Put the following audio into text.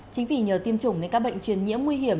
chính vì nhờ tiêm chủng nên các bệnh truyền nhiễm nguy hiểm